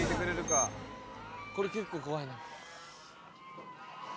「これ結構怖いね」